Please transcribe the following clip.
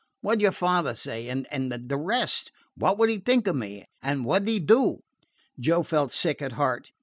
What 'd your father say? and and the rest? How would he think of me? And what 'd he do?" Joe felt sick at heart.